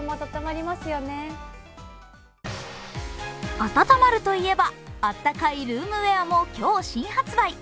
暖まるといえば、あったかいルームウェアも今日新発売。